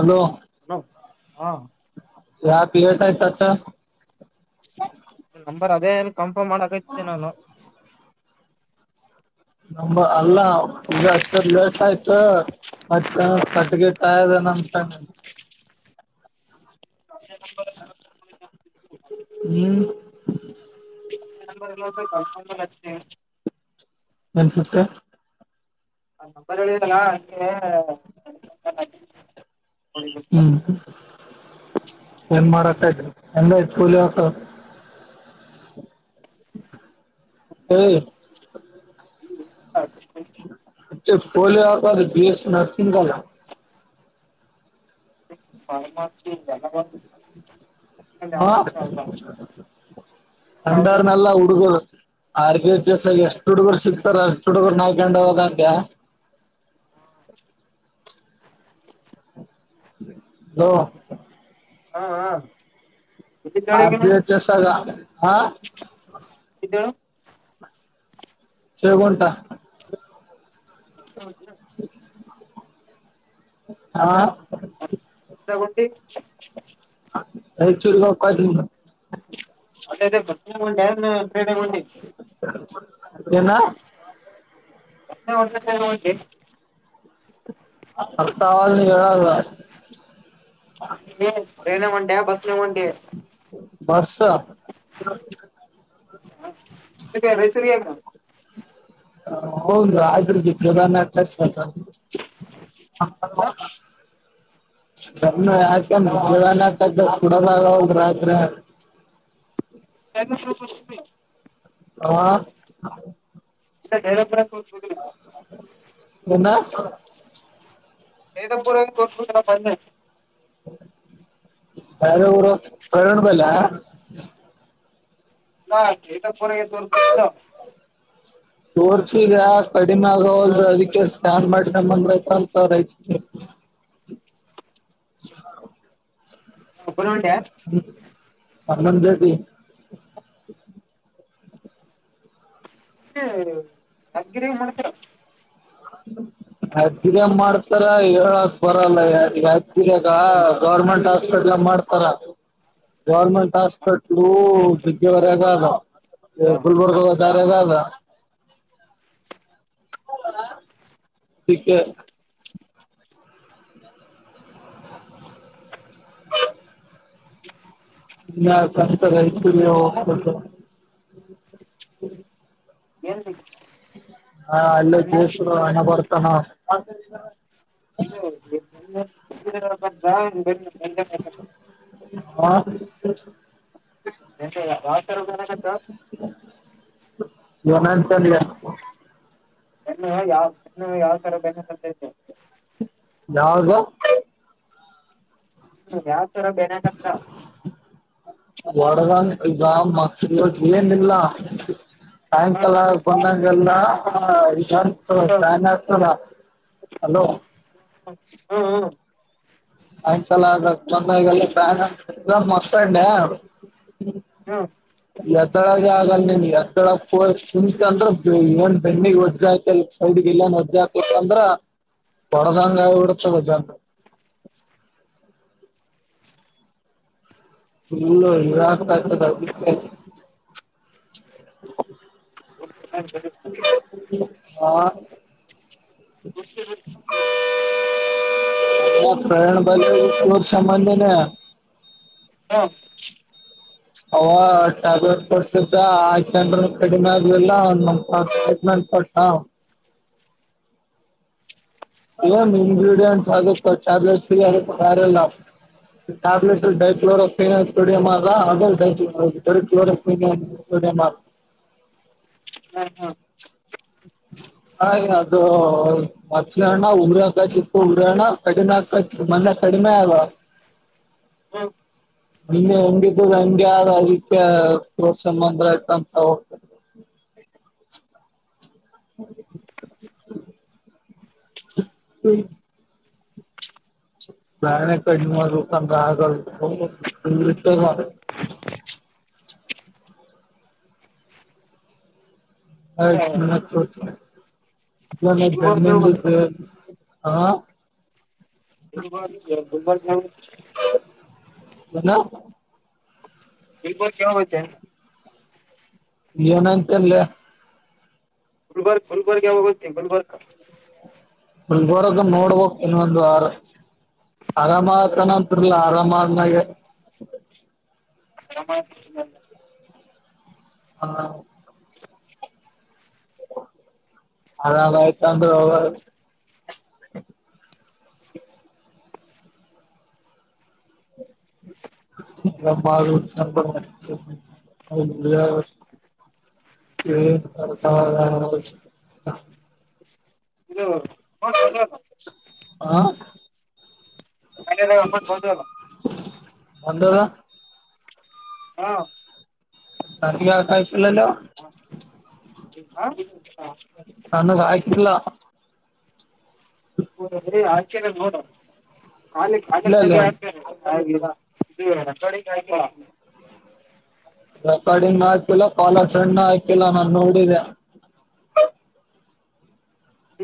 Hello hello ಹಾ [unintelligible] ಬರ ಅದೇ ಕನ್ಫರ್ಮ್ ಮಾಡಕತಿದ್ದೆ ನಾನು ನ ಅಲ್ಲಾ ಈಗ ಲೇಟ್ ಆಯ್ತು ಮತ್ತ ಕಟ್ಟಗಟ್ಟ ಇದೆ ನಮ್ ಕ ಹ ಹ್ಮ್ [unintelligible] ಒನ್ ಸಿಫ್ಟ್ ನಂಬರ್ ಹೇಳಿದಲ್ಲ ಅಗೆ ಹ್ಮ್ ಏನ್ ಮಾಡತ ಇದ [unintelligible] ಹ್ಮ್ ಓಕ ಪೋಲಿಯ ಬಿ ಎಸ್ ನಸಿಂಗಲ್ಲ ಮ ಮ ಜಾವ ಹಾ ರಂಡಾರ ನಲ್ಲಾ ಉಡುಗ [unintelligible] ಆರ್ ಜಸ ಎಷ್ಟು ಹುಡುಗರು ಸಿಕ್ತಾರ ಅಷ್ಟ್ ಹುಡುಗರು ನಾಲ್ಕಂಡ ಹೋಗಂತೆ್ಯಾ ಹ್ಮ ಹಲೋ ಹಾ ಹಾ [unintelligible] ಗಾಳಿ ಆರ್ ನೀವು ಬಿ ಎಚ್ ಎಸ್ ಆಗ ಹಾ [unintelligible] ಸೇವ್ ಗುಂಟಾ ಹೌ ಆ ದ ಗುಂಡಿ ಐಚುಲ್ಲಾ ಕಾದಿಮ್ ಮತ್ತೆ ಬ [unintelligible] ಕ್ರೀಡ ಮಂಡಿ. ಏನ [unintelligible] ಬರ್ತಾ ಇವ್ನಿ ಹೇಳಲ್ಲ. ಯಾವ್ ಬಸ್ನಾಗ್ ಹೊಂಟಿ. ಬಸ್ಸ ಕೆ ಮೈಸೂರಿ ಏನು ಹ ಹೌದು ಆದ್ರ [unintelligible] ಪ್ರದಾನ ಕಷ್ಟ [unintelligible] [unintelligible] [unintelligible] ಹಾಕ್ಯಂದ್ ಕೊಡದಾಗೋಗ ರಾತ್ರಿ. [inaudible] [unintelligible] ಹಾ ತ್ತೆ ಬೈರಾಪುರ ತೋರ್ಸ್ ಬೇಕಿನ್ನು. ಎನ್ನ ವೇದಾಪುರನು ತೋರ್ಸ್ ಬಿಡ್ತಿನಪ್ಪ ಅಂದೆ. ಯಾರೇ ಊರು [unintelligible] ಬಯ್ಲಾ. ನಾ ಕೆಟ್ಟಪುರಯ್ಯ ತೋರ್ಸ್ಬೆಕಿತ್ತು. ತೋರ್ಸಿಗ ಕಡಿಮೆ ಆಗೋವಲ್ದು ಅದಿಕ್ಕೆ ಸ್ಕ್ಯಾನ್ ಮಾಡ್ಸ್ಕಂಬಂದ್ರೆ ಆಯಿತು ಅಂತ ರೈಟ್ [inaudible] ಒಬ್ಬನೇ ಹೊಂಟ್ಯಾ ಅಣ್ಣನ್ ಜೊತಿ ಕ್ಕೆ ಯದ್ಗಿರಿ ಮಾಡ್ತರ. ಅತ್ತಿಗೆ ಮಾಡ್ತಾರ ಹೇಳ ಬರಲ್ಲ ಯಾರಿಗ್ ಅತ್ತಿಗೆಗ ಗೌರ್ಮೆಂಟ್ ಹಾಸ್ಪಿಟಲ್ ಆಗ್ ಮಾಡ್ತಾರ. ಗೌರ್ಮೆಂಟ್ ಹಾಸ್ಪಿಟ್ಲು ಬಿಕ್ಕಿ ವರೆಗಾದ. ಏ ಹಾ ಗುಲ್ಬರ್ಗಾದ ದಾರಿಯಾಗ್ ಅದ. ಟಿಕ್ ಹೇ [unintelligible] [inaudible] ಎನ್ [unintelligible] ಹಾ ಅಲ್ಲೆ ಜೆಸ್ರು ಅಣ್ಣ ಬರ್ತಾನ. ಇದು [unintelligible] ಬೆನ್ನು ಆ ಎಂತಿಲ್ಲ [unintelligible] ಯೋ ನೆಂಟಲ್ಲೇ ಬೆನ್ನು ಯಾವ್ ಯಾವ್ ತರ ಬೆನ್ನ ಬಂತೈತೆ ಯಾವ್ದು ಹ್ಮ್ ಯಾವ ತರ ಬೇನೆ ಆಗತ್ತ ವಡಗನ್ ಇಗ ಮ ಇವತ್ತ್ ಏನಿಲ್ಲ. ಹ್ಮ್ ಸಾಯಂಕಾಲ ಬಂದಂಗೆಲ್ಲ ಆ ಈಗ ಸೊ ಹ್ಮ್ ಬ್ಯಾನೇ ಆಗ್ತದ ಹಲೋ ಹ್ಮ್ ಹ್ಮ್ ಸಾಯಂಕಾಲ ಅದ ಬಂದಗೆಲ್ಲ ಬ್ಯಾನೆ ಆಗ್ತಿತ್ತ ಮಕ್ಕಂಡೇ ಎತ್ತಳಗೆ ಆಗಲ್ಲನ್ ಎತ್ತಳ ಕುಂಕ ಅಂದ್ರೆ [unintelligible] ಬೆಣ್ಣಿಗ್ಧ್ಯ ಒಜ್ಜ ಆಯತ ಸೈಡ್ಗ್ ಎಲ್ಲ ಒಜ್ಜ ಹಾಕ್ಲಕ್ ಅಂದ್ರ ಪರದಾಂಗ ಎಡ ಚ ಬಜಾಂಗ [unintelligible] [inaudible] ಹಾ ಮುಷ ಪ್ರಯಾಣ ಬಾಜ ಕ ಸಾಮನ್ ಹಾ ಅವ ಟ್ಯಾಬ್ಲೆಟ್ ಕೊಡ್ಸಿದ್ದ ಆ ಕೆಂಡ್ರ ಕಡಿಮೆ ಆದಲ್ಲಟ್ ಹಾ ಇ ಇಗ್ರಿಡಿಯಂಟ್ ಅ ಕಚಾಲ ಅರೆಲ್ಲಾ [unintelligible] ಮಾಡ ಹಾ ಹಾ ಹಾಗ ಅದು ಮತ್ತ್ಳ ಅಣ್ಣ ಉಂಗ್ರ ಹಕ ಚಿಕ್ಕ ಉಗ್ರ ಅಣ್ಣ ಕಡಿನ ಹಕ ಮೊನ್ನೆ ಕಡಿಮೆವಾ ಹ್ಮ ನಿನ್ನ ಹೆಂಗಿದ್ದ ಹೆಂಗಗೆ ಯಾರ ಅದಕ್ಕೆ ಪ್ರೋತ್ಸಂದ್ರ ಆಯತಂತ ಹೋಗ್ತದೆ [inaudible] [inaudible] ಹ್ಮ್ ನಾನ ಕ ಇನ್ನವಕ ರ [inaudible] ಆ ಮೆ ಗುಲ್ಬರ್ಗ ಹೋಗ್ಬೇಕು ಬೆಮಂಟನ್ ಹಾ [unintelligible] ಏನು ಬಲ್ಬೋ ಕೆವ ಬತ್ತ ಏನಂತಲ್ಲ ಗುಲ್ಬರ್ಗ ಗುಲ್ಬರ್ಗ ಯಾವಾಗಾಗತ ಗುಲ್ಬರ್ಗ ನೋರಕ ನೋಡ್ಬಕ್ ಇನ್ನೊಂದುಾರ ಆರಾಮತಾನಂತರ್ಲ ಆರಾಮ ಆದನಾಗೆ [inaudible] ಹ ಅದಯ್ತಂದ [unintelligible] ಹ ಇದು ಹ [unintelligible] ಬಂದದ ಹಾ [unintelligible] ಹ್ಮ ಹ್ಮ ಹ ಹ ಹ ನನ್ನ ಆಯ್ತಿಲ್ಲ ಆಕೇನೆ ನೋಡಾಲಿ ಕಾಲ ಇಲ್ಲಲ್ಲ ಹತೇನೆಲ್ಲ ಇದು ನಟಡಿಯ್ ರೆಕಾರ್ಡಿಂಗ್ ನ ಹಾಕಿಲ್ಲ ಕಾಲ ಸಣ್ ಹಾಕಿಲ್ಲ ನಾನ ನೋಡಿದೆ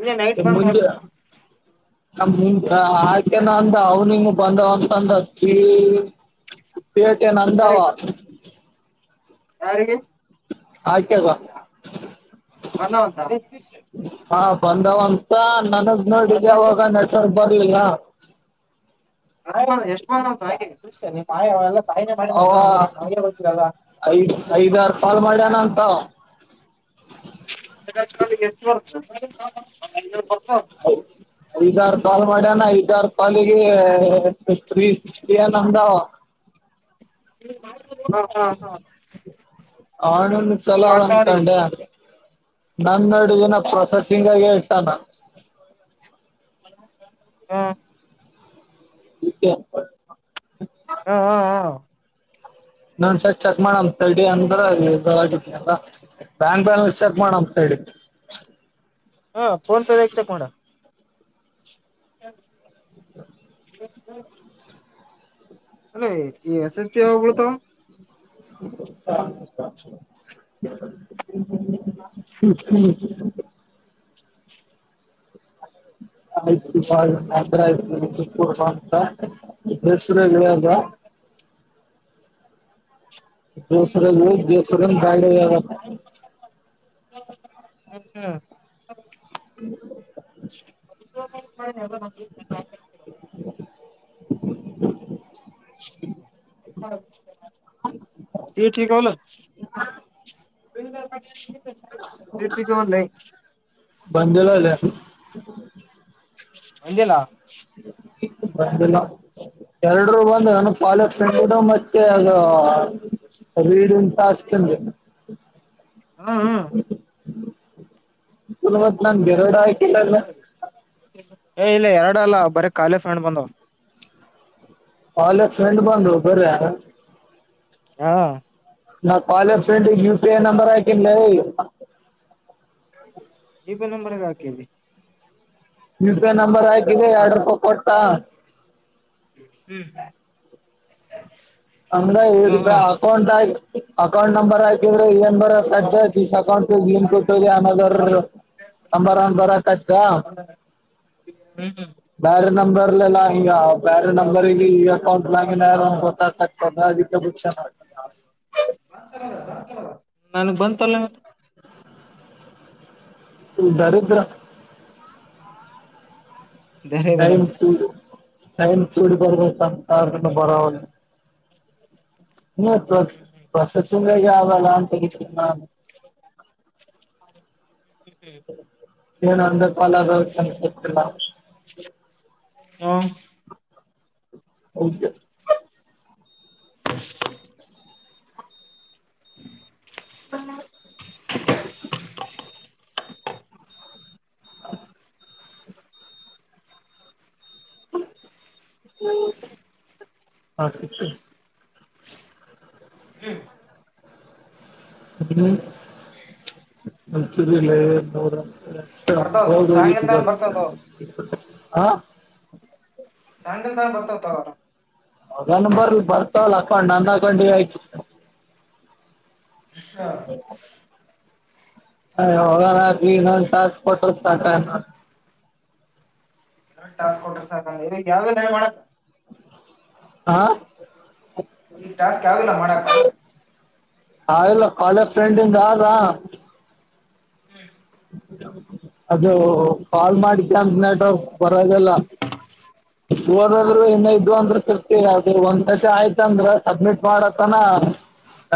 ಇ ಲೈಟ್ ಬಂದದು ನ ಆಕೆನ ಅಂದ ಅವನಿಂಗ ಬಂದವಂತಂದತಿ ಪೇಟೆನ್ ಯಾರಿಗೆ ಅಹದಬಾದ್ ಯಾರಿಗೆ [unintelligible] ಹಾ ಬಂದವ ಅಂತ ನನಗೆ ಯಾರ್ ನೋಡಿಗೆ ನೋಡಿದೆ ಅವಾಗ ನೆಟ್ವರ್ಕ್ ಬರ್ಲಿಲ್ಲ ಎಷ್ಟು ಹಾಗೆಯ ಎಲ್ಲ ಸಾಯೀನೇ ಮಾಡಿದ ಅವ ಎಲ್ಲ ನಂದ್ರ ನಾವ್ಗೆ ಐದ್ ಗೊತ್ತರಲ್ಲಾಯ ಐದಾರು ಕಾಲ್ ಮಾಡ್ಯನ ಅಂತ [unintelligible] ಐದಾರ ಕಾಲ್ ಮಾಡ್ಯಾನ ಐದಾರ ಕಾಲ್ಲಿಗೆ ಏನ್ ನಮ್ದ್ ಹ ಹಾ ಹಾ ಆ ಅಣ್ಣ ಈಗ ಚಲೋ ಮಾತಾಡಿ ಅನ್ಕೊಂಡೆ ನನ್ನ ಆಡಿಗೇನೇ ಹೇಳ್ತಾನ ಹಾ [unintelligible] ಹಾ ಹಾ ಹ ನಾನ್ ಒಂದು ಸರಿ ಚೆಕ್ ಮಾಡಾನ್ ತಡಿ ಅಂದ್ರ ಅಲ್ಲಿ ಆಗಿದನಲ್ಲ ಬ್ಯಾಂಕ್ ಬ್ಯಾಲೆನ್ಸ್ ಚೆಕ್ ಮಾಡನಾ ತಡಿ ಹಾ ಫೋನ್ ಪೇ ಆತೆ ಚೆಕ್ ಮಾಡು [inaudible] ಅ ಈ ಎಸ್ ಎಸ್ ಪಿ ಯಾವಾಗ ಬಿಳ್ತಾವ [unintelligible] [unintelligible] [unintelligible] ಹ್ಮ್ [unintelligible] ಹ್ಮ [inaudible] [unintelligible] [unintelligible] [unintelligible] ಸೀಟ್ ಸಿಗವಲ್ಲ ಬಂದಲ್ಲ ಬಂದಿಲ್ಲ [unintelligible] ಬಂದಿಲ್ಲ ಎರಡುರು ಬಂದನು ಪಾಲಕ್ ಸೆಂಡ್ ದು ಮತ್ತೆ ರೀಡಿಂಡ್ ತಾಸ್ಕ್ ಹಾ ಹಾ [unintelligible] [unintelligible] ಹೇ ಎರಡು ಅಲ್ಲ ಬಾರಿ ಖಾಲಿ ಫ್ಯಾನ್ ಬಂದವ ಫಾಲ್ಲೋ ಫ್ರೆಂಡ್ನ್ ಬಂದ್ಲು ಹಾ ನಾ ಕಾಲಫ್ರೆಂಡ ಯುಪಿಐ ನಂಬರ್ ಅಕಿನಲ್ ಇದೆ ನಂಬರಗೆ ಹಾಕಿದ್ದೆ ಯು ಪಿಐ ನಂಬರ್ ಹಾಕಿದ್ದೆ ಹ್ಮ್ ಎರಡು ರೂಪಾಯಿ ಕೊಟ್ಟ ಹ್ಮ್ ಇಡ್ಡ ಹ್ಮ್ ಅಕೌಂಟ್ ಆ ಅಕೌಂಟ್ ನಂಬರ್ ಹಾಕಿದ್ದೆ ನಂಬರ್ ಹಾಕಿದ್ದೆ ದಿಸ್ ಅಕೌಂಟ್ [unintelligible] ಹ್ಮ್ ಹ್ಮ್ ಹ್ಮ ನಂಬರ್ಲ್ಲ ಈಗ ಬೇರೆ ನಂಬರ್ ಈಗ ಅಕೌಂಟ್ ನಾಮಿನಿ ಅಂತ [unintelligible] ನನ್ಗ್ ಬಂತಲ್ಲೇ ಮತ್ತೆ [unintelligible] ದರಿದ್ರ [unintelligible] ಟೈಂ ಕೂಡಿ ಬರಬೇಕಂತ ಬರವಲತ್ ಹ ಪ್ರಸ ಪ್ರೋಸೆಸಿಂಗ್ ದಾಗ [unintelligible] [unintelligible] ಏನು ಅಂದ ಕಾಲಾಗ್ ಹು [unintelligible] [unintelligible] [unintelligible] [unintelligible] [unintelligible] ಹ್ಮ್ [unintelligible] ಮಂಚೂರಿ ಇಲ್ಲ ನರ ಬರ್ತಾವ ಸಾಯಂಕಾಲ ಬರ್ತಾವ ತಗೋ [unintelligible] [unintelligible] ಹದನ್ ಬರ ಬರ್ತವಲ್ಲ ಹಕೊಂಡ್ ನಂದ ಹಾಕೊಂಡ ಆಯ್ತು [unintelligible] [unintelligible] ಎರ ಟಾಸ್ಕ್ ಕೊಟ್ರೆ ಸಾಕಲ್ಲ ಇವಾಗ ಯಾವ್ಯ ಮಾಡಕ [unintelligible] ಈಗ ಟಾಸ್ಕ್ ಯಾವಿಲ್ಲ ಮಾಡಾಕ ಹಾ ಎಲ್ಲ ಕಾಲೇಜ್ ಫ್ರೆಂಡಿಂದ ಆದಾ [unintelligible] ಅದು ಕಾಲ್ ಮಾಡಿಕ ಅಂತ ನೆಟ್ವರ್ಕ್ ಬರೋದಿಲ್ಲ ಹೋದಾದ್ರು ಇನ್ನ ಇದ್ ಅಂದ್ರ ಸರ್ತಿ ಅ ಒಂದ್ ಕತೆ ಆಯ್ತ ಅಂದ್ರ ಸಬ್ಮಿಟ್ ಮಾಡತನ ಹಾ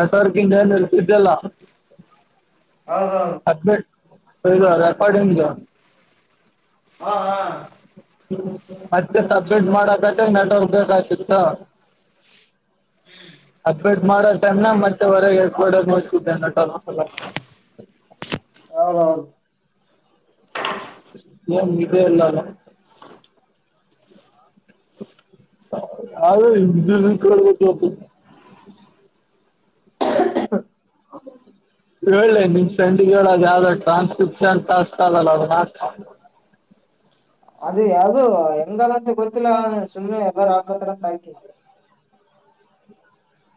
ನೆಟ್ವರ್ಕ್ ಇರ್ ಇದೆಲ್ಲ ಹಾ ಹಾ ರೆಕಾರ್ಡಿಂಗ್ ಹಾ ಹಾ ಮತ್ತೆ ಸಬ್ಮಿಟ್ ಮಾಡಕಕ್ಕೆ ನೆಟ್ವರ್ಕ್ ಬೇಕ ಆತಿತ್ತು [unintelligible] ಮಾಡನ್ನ ಮತ್ತೆ ಹೊರಗೆ [unintelligible] ಹೌ ಹೌ ನೀ ಎಲ್ಲಾನ [unintelligible] ಹೇಳ್ಳಿ ನಿಮ್ ಸಂದಿಗೆ ಅ ಯಾವ್ದ ಟಾಸ್ಕ್ ಅದಲ್ಲ ಹಾಕು ಅದು ಯಾವ್ದದು ಹೆಂಗದಂತೆ ಗೊತ್ತಿಲ್ಲ ಸುಮ್ಮ್ನೆ ಎಲ್ಲಾರು ಹಾಕದಾರ ಅಂತ ಹಾಕಿ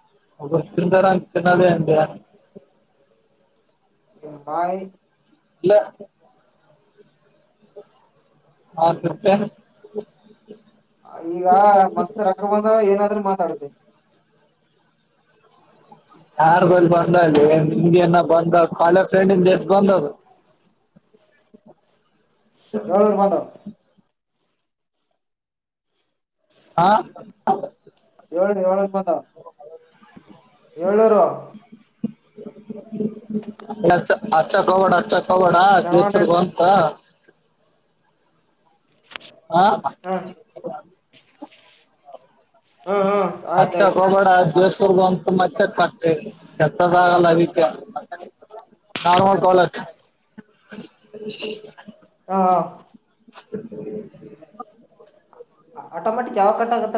[unintelligible] [unintelligible] [unintelligible] [unintelligible] ಈಗ ಮಸ್ತ್ ರೊಕ್ಕ ಬಂದ ಏನಾದ್ರರು ಮಾತಾಡತೀ ಯಾರ್ಗ ಬಂದ ನ್ ಹನ ಬಂದ ಕಾಲೆಜ್ ಸೈಂಡನ ಎಷ್ಟ ಬಂದ್ ಆದು [unintelligible] ಹಾ [unintelligible] [unintelligible] ಹಚ್ಚೋಕೆ ಹೋಗಬೇಡ ಹಚ್ಚಕ್ಕೆ ಹೋಗಬೇಡ ಸೆವೆನ್ ಹಂಡ್ರೆಡ್ [unintelligible] ಆ ಹ ಹ ಹ ಆಯ್ತಾಯ್ತು ಹಚ್ಚಾಕ್ಹೋಗ್ಬೇಡ ಬೇಸ್ ಅಂತು ಮತ್ತೆ ಕಟ್ಟ ಎತ್ತದಾಗಲ್ಲ ಅದಿಕ್ಕೆ ನಾರ್ಮಲ್ ಕಾಲ್ ಹಚ್ಚ ಹಾ ಹಾ [unintelligible] ಆಟೋಮ್ಯಾಟಿಕ್ ಯಾವಾಗ ಕಟ್ಟ ಆಗತ್ತ